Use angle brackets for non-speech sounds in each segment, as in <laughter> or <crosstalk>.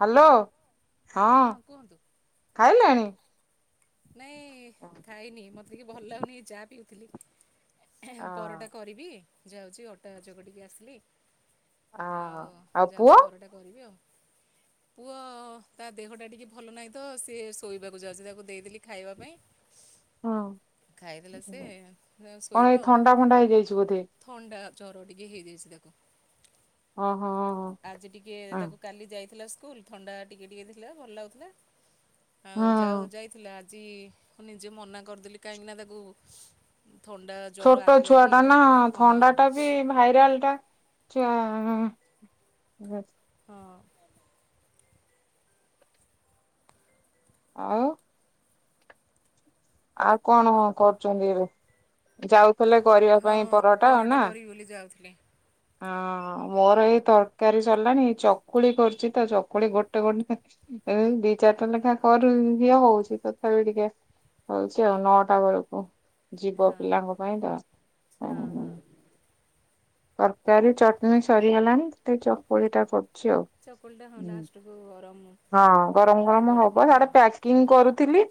Hello ହଁ ଖାଇଲେଣି? ନାଇଁ ଖାଇନି ମତେ ଟିକେ ଭଲ ଲାଗୁନି ଚାହା ପିଉଥିଲି। ପରଟା କରିବି ଯାଉଛି ଅଟୋ ଯୋଗ ଟିକେ ଆସିଲି। ହଁ ଆଉ ପୁଅ? ପୁଅ ତା ଦେହଟା ଟିକେ ଭଲ ନାହିଁ, ତ ସିଏ ଶୋଇବାକୁ ଯାଉଛି ତାକୁ ଦେଇଦେଲି ଖାଇବା ପାଇଁ ଖାଇଦେଲା ସେ ଶୋଇବ ଆ ଥଣ୍ଡା ଜରଟିିକେ ହେଇଯାଇଛି ତାକୁ। ଓ ଆଜି ଟିକେ ତାକୁ କାଲି ଯାଇଥିଲା ସ୍କୁଲ ଥଣ୍ଡା ଟିକେ ଟିକେ ଥିଲା ଭଲ ଲାଗୁଥିଲା। ଆଉ ଯାଉ ଯାଇଥିଲା ଆଜି ନିଜେ ମନା କରିଦେଲି କାହିଁକିନା ତାକୁ ଉଁ। ଛୋଟ ଛୁଆ ଟା ନା ଥଣ୍ଡା ଟା ବି ଭାଇରାଲ ଟା। ଛୁଆ। <unintelligible> ଆଉ। ଆଉ କଣ କରୁଛନ୍ତି ଏବେ ଯାଉ ଫେଲେ କରିବା ପାଇଁ ପରଟା ନା। ଆ ମୋର ଏଇ ତରକାରୀ ସରିଲାଣି ଚକୁଳି କରୁଛି ତ ଚକୁଳି ଗୋଟେ ଗୋଟେ। ଏଇ ଦି ଚାରିଟା ଲେଖା କରି ଇଏ ହଉଛି ତଥାପି ଟିକେ। ହଉଚି ଆଉ ନଅଟା ବେଳକୁ। ଯିବ ପିଲାଙ୍କ ପାଇଁ ତ ହଁ ହଁ। ତରକାରୀ ଚଟଣି ସରିଗଲାଣି ସେ ଚକୁଳି ଟା ଫ ଛି ଆଉ ହୁଁ ହଁ ଗରମ ଗରମ ହବ ସିଆଡ଼େ ପ୍ୟାକିଙ୍ଗ କରୁ ଥିଲି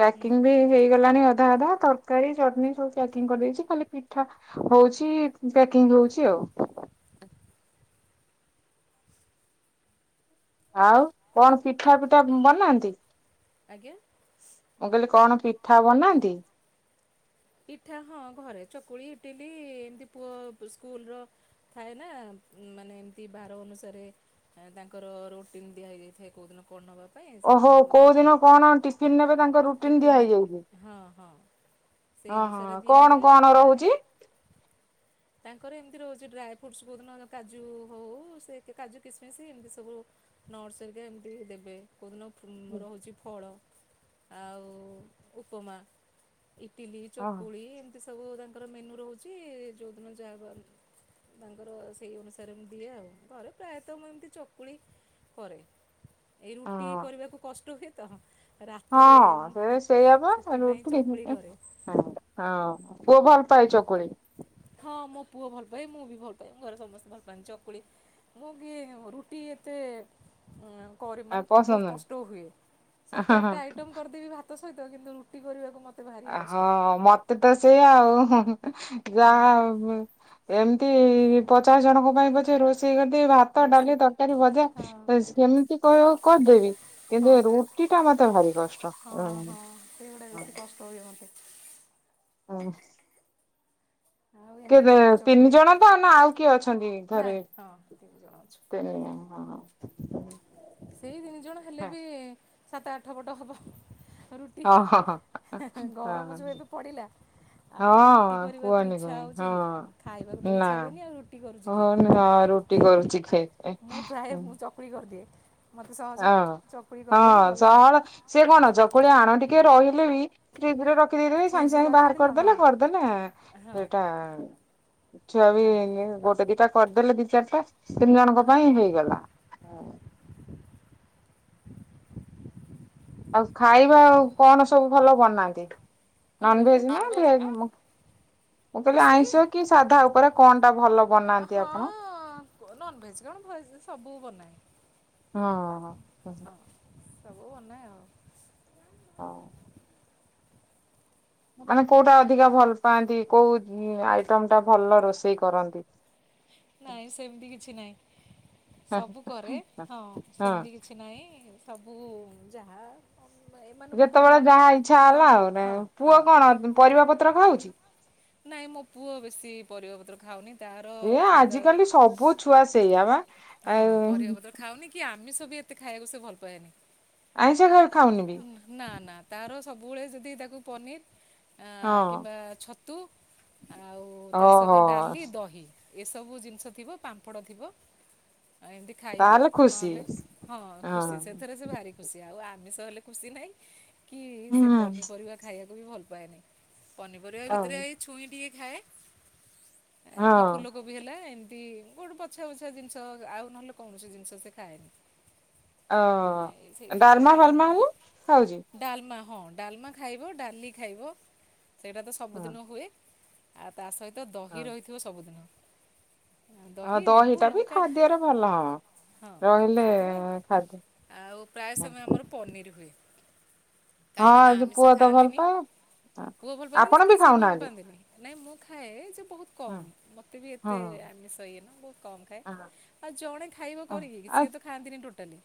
ପ୍ୟାକିଙ୍ଗ ବି ହେଇଗଲାଣି ଅ ଅଧା ଅଧା ତରକାରୀ ଚଟଣି ସବୁ ପ୍ୟାକିଂ କରିଦେଇଛି ଖାଲି ପିଠା ହଉଛି ପେ କିଙ୍ଗ ହଉଛି ଆଉ। ଆଉ କଣ ପିଠା ପିଠା ବନାନ୍ତି? ମୁଁ କହିଲି କଣ ପିଠା ବନାନ୍ତି? ପିଠା ହଁ ଘରେ ଚକୁଳି ଇଟିଲି ଏମିତି ପୁଅ ପ ସ୍କୁଲର ଥାଏ ନା। ମାନେ ଏମିତି ବାର ଅନୁସାରେ ତାଙ୍କର ରୁଟିନ୍ ଦିଆ ହେଇଯାଇଥାଏ କଉଁଦିନ କଣ ନବା ଓହୋ କୋଉ ଦିନ କଣ ଟିଫିନ ନେବେ ତାଙ୍କ ରୁଟିନ ଦିଆ ହେଇଯାଉଛି? ଓ ହୋ କଣ କଣ ରହୁଛି? ତାଙ୍କର ଏମିତି ରହୁଛି ଡ୍ରାଏ ଫ୍ରୁଟ୍ସ ବହୁତ ଦିନ କାଜୁ ହଉ ସେ କା କାଜୁ କିସମିଶ ଏମିତି ସବୁ। ନର୍ସରିକା ଏମିତି ଦେବେ। କୋଉଦିନ ଉଁ ରହୁଛି ଫଳ ଆଉ ଉପମା। ଇଟିଲି ଚକୁଳି ଏମିତି ସବୁ ତାଙ୍କର ମେନୁ ରହୁଛି ଯଉଦିନ ଯାହା ବ। ତାଙ୍କର ସେଇ ଅନୁସାରେ ମୁଁ ଦିଏ ଆଉ ଘରେ ପ୍ରାୟତଃ ମୁଁ ଏମିତି ଚକୁଳି। କରେ ଏଇ ରୁଟି କରିବାକୁ କଷ୍ଟ ହୁଏ ତ। ହଁ ସେଇ ସେଇପା ରୁଟି ହଁ ହଁ। ପୁଅ ଭଲ ପାଏ ଚକୁଳି। ହଁ ମୋ ପୁଅ ଭଲ ପାଏ ମୁଁ ବି ଭଲ ପାଏ ଆମ ଘରେ ସମସ୍ତେ ଭଲ ପାଆନ୍ତି ଚକୁଳି ମୁଁ ବି ରୁଟି ଏତେ। <unintelligible> କରିବ ମାନେ ବହୁତ କଷ୍ଟ ହୁଏ ସାତ ଆଠଟା ଆଇଟମ୍ କରିଦେବି ଭାତ ସହିତ କିନ୍ତୁ ରୁଟି କରିବାକୁ ମ ଆ ହଁ ମତେ ତ ସେୟା ଆଉ ହୁଁ ହୁଁ। ଯାହା ହବ ଏମିତି ପଚାଶ ଜଣଙ୍କ ପାଇଁ ପଛେ ରୋଶ ଇ କରିଦେବି ଭାତ ଡାଲି ତରକାରୀ ଭଜା ରୋ ସେମିତି କହିବ କରିଦେବି କିନ୍ତୁ ରୁଟି ଟି ଟା ମତେ ଭାରି କଷ୍ଟ। <unintelligible> କେଦେ ତିନି ଜଣ ତ ନା ଆଉ କିଏ ଅଛନ୍ତି ଘରେ ତିନି ଜଣ। ହଁ। ସେଇ ତିନି ଜଣ ହେଲେ ବି ସାତ ଆଠ ପଟ ହବ। ରୁଟି ହେଁ ହେଁ ଗରମ ଯୋଉ ଏବେ ପଡିଲା। ହଁ କୁହନି କୁହ ହଁ ନା ଓହୋ। <unintelligible> ରୁଟି କରୁଛି ଖାଇ ମୁଁ ପ୍ରାୟ ମୁଁ ଚକୁଳି କରିଦିଏ। ଅହ ହଁ ସହଳ ସିଏ କଣ ଚକୁଳିଆ ଆଣ ଟି ଟିକେ ରହିଲେ ବି ଫ୍ରିଜ ରେ ର ରଖିଦେଇଥିଲେ ଏଇ ଏଇ ସାଙ୍ଗେ ସାଙ୍ଗେ ବାହାର କରିଦେଲେ କରିଦେଲେ ସେଇଟା। ଛୁଆ ବି ଗୋଟେ ଦିଟା କରିଦେଲେ ଦି ଚାରିଟା ତିନି ଜଣଙ୍କ ପାଇଁ ହେଇଗଲା ହ। ଆଉ ଖାଇବା ଆଉ କଣ ସବୁ ଭଲ ବନାନ୍ତି? ନନ୍ ଭେଜ୍ ନା ଭେଜ୍ ମ? ମୁଁ କହିଲି ଆଇଁଷ କି ସାଧା ଉପରେ କଣ ଟା ଭଲ ବନାନ୍ତି ଆପଣ? କଣ ଭ ସବୁ ବନାଏ। ହଁ ହଁ। ସବୁ ବନାଏ ଆଉ। ହଉ। ମାନେ କୋଉଁଟା ଅଧିକା ଭଲ ପାଆନ୍ତି କୋଉଁ ଆଇଟମ ଟା ଭଲ ରୋଷେଇ କରନ୍ତି? ନାଇଁ ସେମିତି କିଛି ନାହିଁ ସବୁ କରେ ହଁ ସେମିତି କିଛି ନାହିଁ ସବୁ ଯାହା ଯେତେବେଳେ ଯାହା ଇଛା ହେଲା ଆଉ ନାଇଁ ପୁଅ କଣ ପରିବା ପତ୍ର ଖାଉଛି? ନାଇଁ ମୋ ପୁଅ ବେଶୀ ପରିବା ପତ୍ର ଖାଉନି ତାର ଆଜିିକାଲି ସବୁ ଛୁଆ ସେଇଆ ବା ଆମିଷ ବି ଏତେ ଖାଇବାକୁ ସେ ଭଲ ପାଏନି। ଆଇଁଷ ଖାଉ ଖାଉନି ବି ସବୁବେଳେ ଯଦି ତାକୁ ପନିର ଆଁ କିମ୍ବା ଛତୁ ଆଉ ତା ସହିତ ଡାଲି ଦହି ଏସବୁ ଜିନିଷ ଥିବ ପାମ୍ପଡ଼ ଥିବ। ଏମିତି ଖାଇବ ନହେଲେ ହଁ ଖୁସି ସେଥିରେ ସେ ଭାରି ଖୁସି ଆଉ ଆ ଆମିଷ ହେଲେ ଖୁସି ନାହିଁ କି ସେ ପନିପରିବା ଖାଇବାକୁ ବି ଭଲ ପାଏନିଁ। ପନିପରିବା ଭିତରେ ଏଇ ଛୁଇଁ ଟିକେ ଖାଏ। ହଁ। ଫୁଲକୋବି ହେଲା ଏମିତି ଗୋଟେ ପଛା ବଛା ଜିନିଷ ଆଉ ନହେଲେ କୌଣସି ଜିନିଷ ସେ ଖାଏନି। ଅ ଡାଲମା ଭାଲମା ହଉଛି? ହଁ ଡାଲମା ଖାଇବ ଡାଲି ଖାଇବ ସେଇଟା ତ ସବୁଦିନ ହୁଏ ଆ ତା ସହିତ ଦହି ରହିଥିବ ସବୁଦିନ। ଆ ଦହିଟା ବି ଖାଦ୍ୟରେ ଭଲ ହବ। ହଁ ସେଥିରେ ଆଉ ପ୍ରାୟ ସମୟ ଆମର ପନିର ହୁଏ। କାହିଁକି ନା ଆମିଷ ଖାଆନ୍ତିନି ପୁଅ ଭଲ ପାନ୍ତିନି କି ସିଏ ଭଲ ପାଆନ୍ତିନି ନାଇଁ ମୁଁ ଖାଏ ଯେ ବହୁତ କମ ଏତେ ଆମିଷ ଇଏ ନା ବହୁତ କମ ଖାଏ। ଆଉ ଜଣେ ଖାଇବ କରିକି ସିଏ ତ ଖାଆନ୍ତିନି ଟୋଟାଲି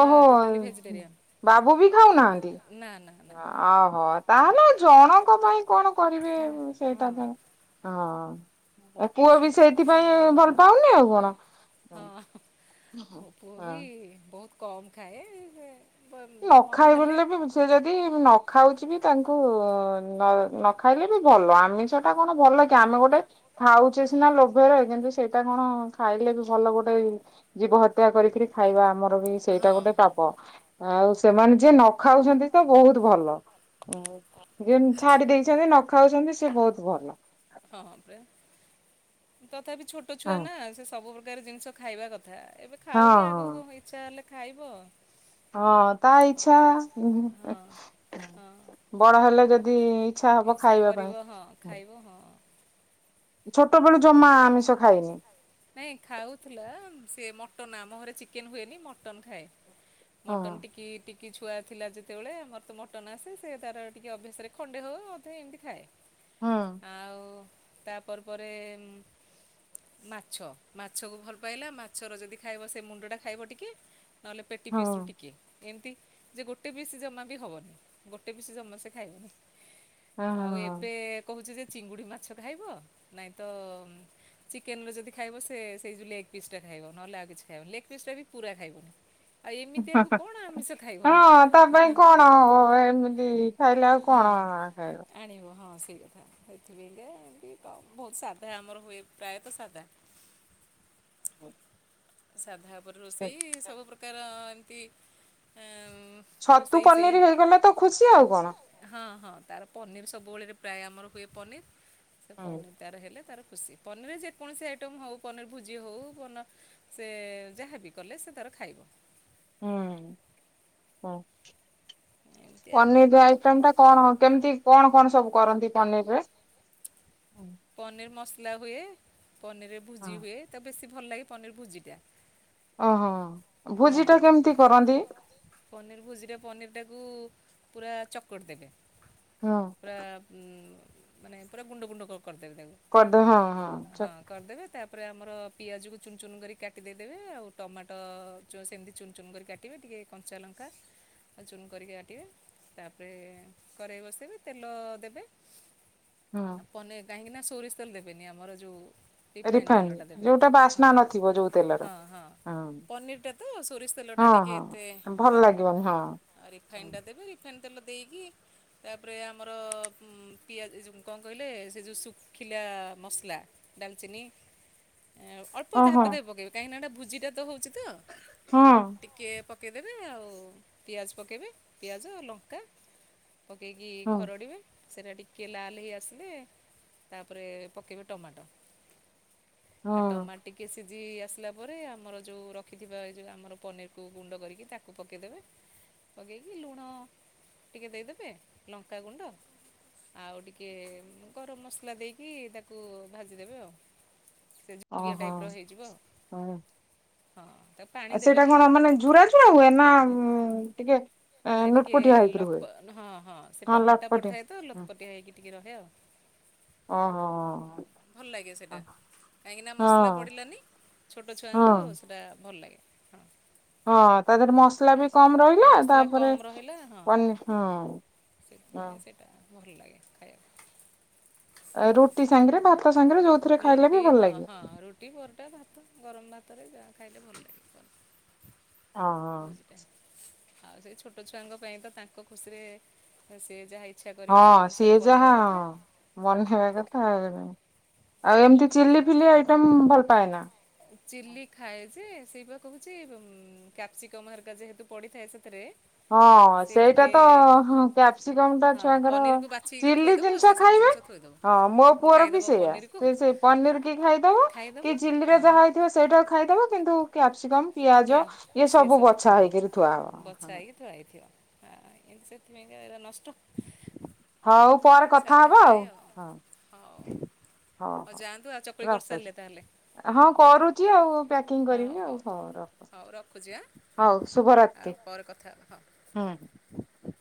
ଓହୋ ବାବୁ ବି ଖାଉନାହାନ୍ତି? ଓହୋ ତାହେଲେ ଜଣଙ୍କ ପାଇଁ କଣ କରିବେ ସେଇଟା ତାର ହଁ ଆ ପୁଅ ବି ସେଇଥିପାଇଁ ଭଲ ପାଉନି ଆଉ କଣ। ଓ ପୁଅ ବି ବହୁତ କମ ଖାଏ ନ ଖାଇ ବ ବି ସେ ଯଦି ନ ଖାଉଛି ବି ତାଙ୍କୁ ନ ନ ଖାଇଲେ ବି ଭଲ ଆମିଷଟା କଣ ଭଲ କି ଆମେ ଗୋଟେ ଖାଉଛେ ଲୋଭ ରେ କିନ୍ତୁ ସେଇଟା କଣ ଖାଇଲେ ବି ଭଲ ଗୋଟେ ଜୀବ ହତ୍ୟା କରିକରି ଖାଇବା ଆମର ସେଇଟା ଗୋଟେ ପାପ ଆଉ ସେମାନେ ଯିଏ ନ ଖାଉଛନ୍ତି ତ ବହୁତ ଭଲ ଯେ ଛାଡି ଦେଇଛନ୍ତି ନ ଖାଉଛନ୍ତି ସେ ବହୁତ ଭଲ ହଁ ପରା ତଥାପି ଛୋଟ ଛୁଆ ନା ସେ ସବୁ ପ୍ରକାର ଜିନିଷ ଖାଇବା କଥା। ଏବେ ଖାଉନି ଆଗକୁ ଇଚ୍ଛା ହେଲେ ଖାଇବ। ହଁ ତା ଇଛା ବଡ ହେଲେ ଯଦି ଇଛା ହବ ଖାଇବା ପାଇଁ ଛୋଟ ବେଳୁ ଜମା ଆମିଷ ଖାଇନି? ନାଇଁ ଖାଉଥିଲା ସେ ମଟନ ଆମ ଘରେ ଚିକେନ ହୁଏନି ମଟନ ଖାଏ। ମଟନ ଟିକି ଟିକ କି ଛୁଆ ଥିଲା ଯେତେବେଳେ ଆମର ତ ମଟନ ଆସେ ସେ ତାର ଟିକେ ଅଭ୍ୟାସରେ ଖଣ୍ଡେ ହଉ ଅଧେ ଏମିତି ଖାଏ। ହଁ। ତାପ ପରେ ପରେ ମା ମାଛ ମାଛକୁ ଭଲ ପାଇଲା, ମାଛର ଯଦି ଖାଇବ ସେ ମୁଣ୍ଡଟା ଖାଇବ ଟିକେ। ନହେଲେ ପେଟି ପିସ୍ ରୁୁ ଟିକେ। ଏମତି ଯେ ଗୋଟେ ପିସ୍ ଜମା ବି ହବନି ଗୋଟେ ପିସ୍ ଜମା ସେ ଖାଇବନି। ଆଉ ଏବେ କହୁଛି ଯେ ଚିଙ୍ଗୁଡି ମାଛ ଖାଇବ, ନାଇଁ ତ ଚିକେନ୍ ର ଯଦି ଖାଇବ ସେ ସେଇ ଯଉ ଲେଗ୍ ପିସ୍ ଟା ଖାଇବ ନହେଲେ ଆଉ କିଛି ଖାଇବନି, ଲେଗ ପିସ୍ ଟା ବି ପୁରା ଖାଇବନି। ହଁ ତା ପାଇଁ କଣ ହବ ଏମିତି। ଖାଇଲେ ଆଉ କଣ ବା ଖାଇବ। ଏଇ କଥା ସେଥିପାଇଁକା ବହୁତ ସାଧା ଆମର ହୁଏ, ପ୍ରାୟତ ସାଧା। ହଁ। ସାଧା ଉପରେ ରୋଷେଇ ସବୁ ପ୍ରକାର ଏମତି ଏଁ ଛତୁ ପନିର ହେଇଗଲେ ତ ଖୁସି ଆଉ କଣ। ତାର ପନିର୍ ସବୁବେଳେରେ ପ୍ରାୟ ଆମର ହୁଏ ପନିର, ସେ ପନିର୍ ତାର ହେଲେ ତାର ଖୁସି, ପନିରରେ ଯେକୌଣସି ଆଇଟମ୍ ହଉ ପନିର ଭୁଜି ହଉ ପ ସେ ଯାହାବି କଲେ ସେ ତାର ଖାଇବ। ହୁଁ, ହଉ। ପନିର ଆଇଟମ୍ ଟା କଣ କେମତି କଣ କଣ ସବୁ କରନ୍ତି ପନିର ରେ? ପନିର ମସଲା ହୁଏ, ପନିରରେ ଭୁଜି ହୁଏ, ତ ବେଶୀ ଭଲ ଲାଗେ ପନିର ଭୁଜି ଟା। ଓ ହୋ ହୋ। ହଁ, ଭୁଜି ଟା କେମତି କରନ୍ତି? ପନିର ଭୁଜିରେ ପନିର ଟାକୁ ପୁରା ଚକଟି ଦେବେ, ପୁରା ମାନେ ପୁର ଗୁଣ୍ଡ ଗୁଣ୍ଡ କରଦେବେ, ହଁ, ହଁ ଚ ତାପରେ ଆମର ପିଆଜକୁ ଚୁନ ଚୁନ କରି କାଟି ଦେଇ ଦେବେ ଆଉ ଟମାଟୋ ଚ ସେମିତି ଚୁନ ଚୁନ କରି କାଟିବେ, ଟିକେ କଞ୍ଚା ଲଙ୍କା ଚୁନ କରିକି କାଟିବେ। ତାପରେ କରେଇ ବସେଇବେ ତେଲ ଦେବେ। ହଁ। କାହିଁକିନା ସୋରିଷ ତେଲ ଦେବେନି ଆମର ଯୋଉ ରିଫାଇନ ଯୋଉଟା ବାସ୍ନା ନଥିବ ଯୋଉ ତେଲର, ହଁ। ହୁ ସୋରିଷ ତେଲ ଟା ଟିକେ ଏତେ ହଁ, ରିଫାଇନ ଟା ଦେବେ। ରିଫାଇନ ତେଲ ଦେଇକି ତାପରେ ଆମର ପିଆଜ ଏଇ ଯଉ କଣ କହିଲେ ସେ ଯୋଉ ଶୁଖିଲା ମସଲା। ଡାଲଚିନି ଅଳ୍ପ ଧାପେ ଦେଇ ପକେଇବି କାହିଁକିନା ଏଟା ଭୁଜିଟା ତ ହଉଛି ତ। ହଁ। ପକେଇ ଦେବେ ଆଉ ପିଆଜ ପକେଇବେ ପିଆଜ, ଲଙ୍କା ପକେଇକି ଖରଡ଼ିବେ। ସେଇଟା ଟିକେ ଲାଲ୍ ହେଇ ଆସିଲେ, ତାପରେ ପକେଇବେ ଟମାଟୋ। ଆଉ ଟମାଟୋ ଟିକେ ସିଝି ଆସିଲା ପରେ ଆମର ଯୋଉ ରଖିଥିବ ଯୋଉ ଆମର ପନିରକୁ ଗୁଣ୍ଡ କରିକି ତାକୁ ପକେଇ ଦେବେ, ପକେଇକି ଲୁଣ ଟିକେ ଦେଇଦେବେ ଲଙ୍କାଗୁଣ୍ଡ। ଆଉ ଟିକେ ଗରମ ମସଲା ଦେଇକି ତାକୁ ଭାଜିଦେବେ ଆଉ। ସେ ଝୁକ ଝୁକିଆ ଟାଇପ ର ହେଇଯିବ ହଁ। ସେଇଟା କଣ ମାନେ ଝୁରା ଝୁରା ହୁଏ ନା ଉଁ, ଟିକେ ନାଇଁ ଟିକେ ଲତ୍ ହଁ, ହଁ, ସେ ଟମାଟ ଟା ପଡିଥାଏ ତ ଲତ ପତିଆ ହେଇକି ଟିକେ ର ହେ ଆଉ। ଓହୋ! ଭଲ ଲାଗେ ସେଟା କାହିଁକିନା ମସଲା ପଡିଲାନି ଛୋଟ ଛୁଆଙ୍କୁ ସେଟା ଭଲ ଲାଗେ। ହଁ। ହଁ ତା ଦେହରେ ମସଲା ବି କମ୍ ରହିଲା ତାପରେ ପନି-ହଁ। ସେଥିପାଇଁ ସେଟା ଭଲ ଲାଗେ ଖାଇବାକୁ। ଆ-ରୁଟି ସାଙ୍ଗରେ ଭାତ୍ ରୁଟି ହଁ ହଁ ରୁଟି, ପରଟା, ଭାତ, ଗରମ ଭା ଭାତରେ ଯାହା ଖାଇଲେ ଭଲ ଲାଗିବ ଭୋଜିଟା। ଆଉ ସେଇ ଛୋଟ ଛୁଆଙ୍କ ପାଇଁ ତ ତାଙ୍କ ଖୁସିରେ ସେ ଯାହା ଇ ହଁ ସିଏ ଯାହା ବନେଇବା କଥା ଆଉ ଆଉ ଏମତି ଚିଲି ଫିଲି ଆଇଟମ ଭଲ ପାଏନା? ଚିଲି ଖାଏ ଯେ ସେଇପା କୋହୁଚି ବ-ମ୍-କ୍ୟାପସିକ ହରିକା ଯେହେତୁ ପଡିଥାଏ ସେ ଥିରେ ହଁ ସେଇଟା ତ ଅହଁ କ୍ୟାପସିକମଟା ଛୁଆଙ୍କର ଚିଲି ଜିନିଷ ଖାଇବେ ହଁ ମୋ ପୁଅର ବି ସେଇଆ ସିଏ ବି ସେଇ ପନିରକି ଖାଇଦବ କି ଚିଲିରେ ଯାହା ହେଇଥିବ ସେଇଟାକୁ ଖାଇଦବ କିନ୍ତୁ କ୍ୟାପସିକମ ପିଆଜ ଇଏ ସବୁ ବଛା ହେଇକିରି ଥୁଆହବ ହଁ। ଥିବ ଆ-ଇଏ ତ ସେଥିପାଇଁକା ଏରା ନଷ୍ ହୋଉ ପରେ କଥା ହବା ଆଉ ହଁ। ହୋଉ ଯାଆନ୍ତୁ ଆଉ ଚକୁଳି କରିସାରଲେ ତାହେଲେ? ହଁ କରୁଚି ଆଉ ପ୍ୟାକିଂ କରିବି ଆଉ ହର ହୋଉ ଶୁଭରାତି ହୁଁ ହୁଁ।